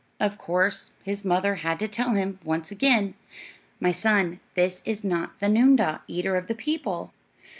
Of course his mother had to tell him, once again, "My son, this is not the noondah, eater of the people."